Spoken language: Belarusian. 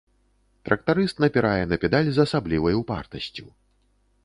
Трактарыст напірае на педаль з асаблівай упартасцю.